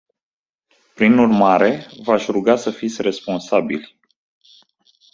Prin urmare, v-aș ruga să fiți responsabili.